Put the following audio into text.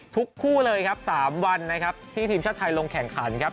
ทุกคู่เลย๓วันที่ทีมชาติไทยลงแข่งขัน